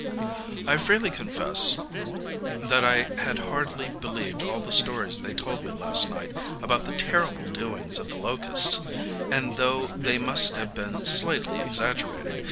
I freely confess that I had hardly believed all the stories they told me last night about the terrible doings of the locusts, and thought they must have been slightly exaggerated.